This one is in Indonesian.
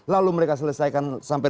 lalu mereka selesaikan sampai delapan puluh